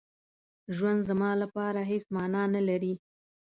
ژوند زما لپاره هېڅ مانا نه لري.